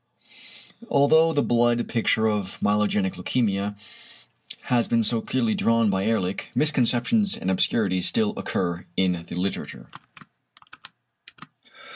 Although the blood picture of myelogenic leukæmia has been so clearly drawn by Ehrlich, misconceptions and obscurities still occur in the literature.